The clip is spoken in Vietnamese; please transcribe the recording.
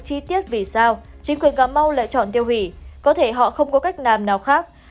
tiết tiết vì sao chính quyền cà mau lại chọn tiêu hủy có thể họ không có cách nàm nào khác